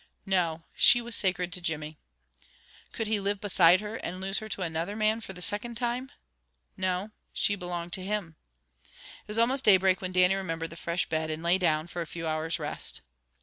No, she was sacred to Jimmy. Could he live beside her, and lose her to another man for the second time? No, she belonged to him. It was almost daybreak when Dannie remembered the fresh bed, and lay down for a few hours' rest.